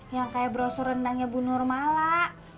yang kayak brosur rendangnya bu nur mala